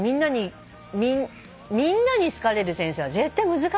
みんなに好かれる先生は絶対難しい。